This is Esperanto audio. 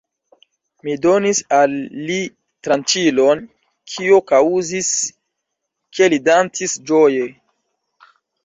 Mi donis al li tranĉilon, kio kaŭzis, ke li dancis ĝoje.